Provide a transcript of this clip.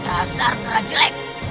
asar kera jelek